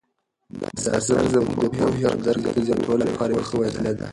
دا اثر زموږ د پوهې او درک د زیاتولو لپاره یوه ښه وسیله ده.